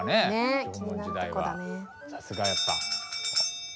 さすがやっぱ。